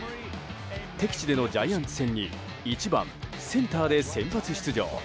敵地でのジャイアンツ戦に１番センターで先発出場。